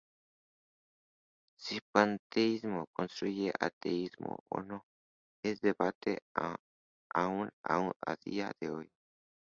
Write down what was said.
Si panteísmo constituye ateísmo o no, es un debate aún a día de hoy.